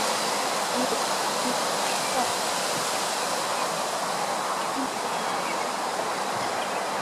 iwe kivuli kinachosonda kidole Ujio na kifo cha Yesu ili ije iondolewe pale Kristo